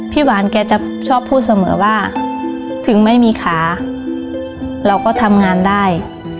หวานแกจะชอบพูดเสมอว่าถึงไม่มีขาเราก็ทำงานได้